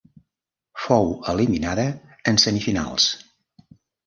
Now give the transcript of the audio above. Fou eliminada en semifinals.